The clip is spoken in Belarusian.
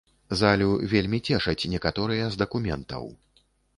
Залю вельмі цешаць некаторыя з дакументаў.